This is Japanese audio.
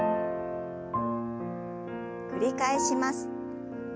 繰り返します。